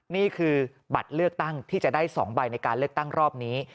นี่คือบัตรเลือกตั้งที่จะได้๒ใบในการเลือกตั้งรอบนี้